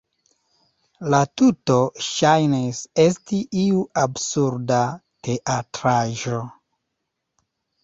La tuto ŝajnis esti iu absurda teatraĵo.